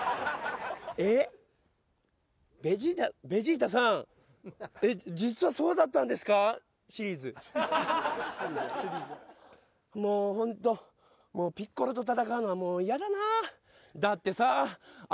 ベジータベジータさんえっ実はそうだったんですかシリーズ・シリーズやシリーズやもうホントもうピッコロと戦うのはもう嫌だなだってさあ